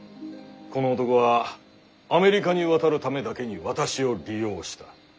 この男はアメリカに渡るためだけに私を利用した。